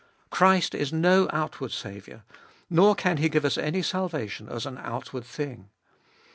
Christ is no outward Saviour, nor can He give us any salvation as an outward thing.